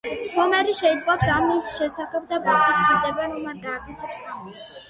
ჰომერი შეიტყობს ამის შესახებ და ბარტი ჰპირდება, რომ არ გააკეთებს ამას.